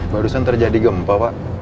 barusan terjadi gempa pak